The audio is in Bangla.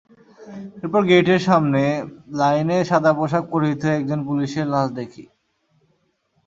এরপর গেইটের সামনে লাইনে সাদা পোশাক পরিহিত একজন পুলিশের লাশ দেখি।